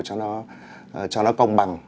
cho nó công bằng